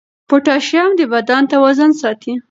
پوټاشیم د بدن توازن ساتي.